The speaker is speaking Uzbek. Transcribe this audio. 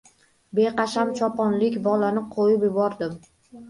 Beqasam choponlik, bolani qo‘yib yubordi.